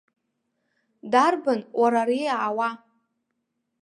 Дарбан, уара, ари иаауа?